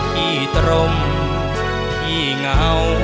พี่ตรงพี่เหงา